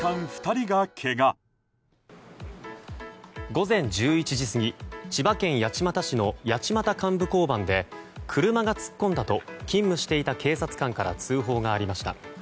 午前１１時過ぎ千葉県八街市の八街幹部交番で車が突っ込んだと勤務していた警察官から通報がありました。